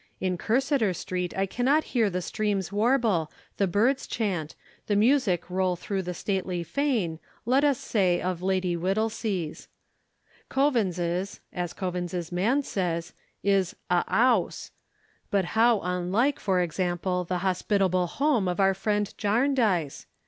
In Cursitor Street I cannot hear the streams warble, the birds chant, the music roll through the stately fane, let us say, of Lady Whittlesea's. Coavins's (as Coavins's man says) is "a 'ouse;" but how unlike, for example, the hospitable home of our friend Jarndyce!